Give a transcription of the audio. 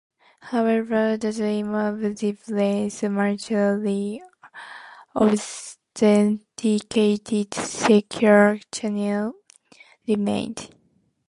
However, the dream of a "zipless" mutually authenticated secure channel remained.